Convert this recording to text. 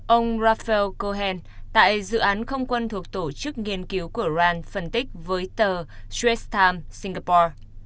ông rafael cohen tại dự án không quân thuộc tổ chức nghiên cứu của iran phân tích với tờ shrestham singapore